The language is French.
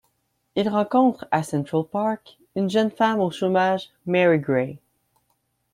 Il rencontre à Central Park une jeune femme au chômage, Mary Grey.